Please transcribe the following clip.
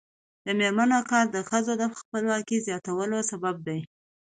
د میرمنو کار د ښځو خپلواکۍ زیاتولو سبب دی.